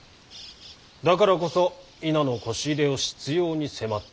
だからこそ稲のこし入れを執ように迫った。